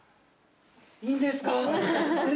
いいんですか？